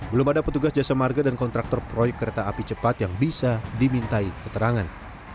belum ada petugas jasa marga dan kontraktor proyek kereta api cepat yang bisa dimintai keterangan